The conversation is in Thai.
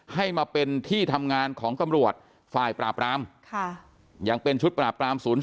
ให้มาเป็นที่ทำงานของตำรวจฝ่ายปราบรามยังเป็นชุดปราบปราม๐๔